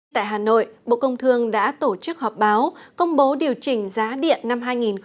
tại hà nội bộ công thương đã tổ chức họp báo công bố điều chỉnh giá điện năm hai nghìn một mươi chín